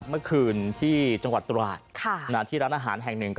เมื่อคืนที่จังหวัดตราดที่ร้านอาหารแห่งหนึ่ง